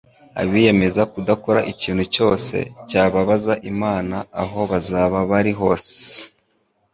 Abiyemeza kudakora ikintu cyose cyababaza Imana aho bazaba bari hose,